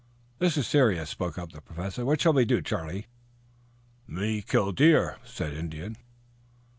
"This is serious," spoke up the Professor. "What shall we do, Charlie?" "Me kill deer," said the Indian.